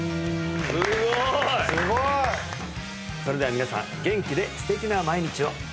それでは皆さん元気で素敵な毎日を！